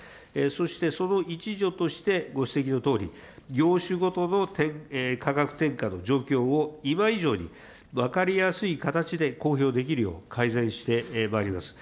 そしてその一助としてご指摘のとおり、業種ごとの価格転嫁の状況を、今以上に分かりやすい形で公表できるよう、改善してまいります。